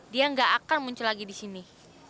dia nggak akan muncul lagi di sini